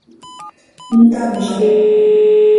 ntamzo?